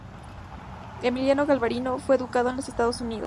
Emiliano Galvarino fue educado en los Estados Unidos.